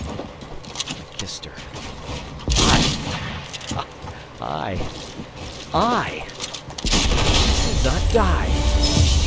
I ... kissed her! ... I! ... I! ... I! ... And she did not die! ...